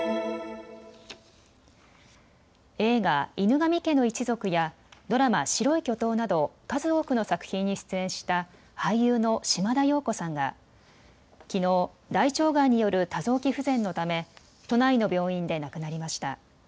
映画、犬神家の一族やドラマ、白い巨塔など数多くの作品に出演した俳優の島田陽子さんがきのう、大腸がんによる多臓器不全のため都内の病院で亡くなりました。